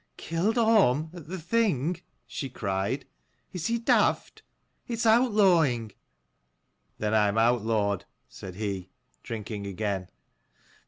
" Killed Orm at the Thing? " she cried. " Is he daft ? It's outlawing !" "Then I am outlawed," said he, drinking again.